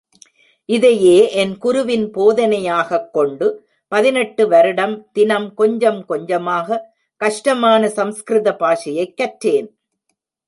இதையே என் குருவின் போதனையாக் கொண்டு, பதினெட்டு வருடம், தினம் கொஞ்சம் கொஞ்சமாக, கஷ்டமான சம்ஸ்கிருத பாஷையைக் கற்றேன்.